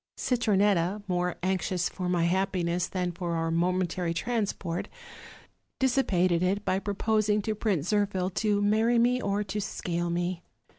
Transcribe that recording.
Citronetta, more anxious for my happiness than for our momentary trans port, dissipated it by proposing to Prince Zirphil to marry me or to scale me.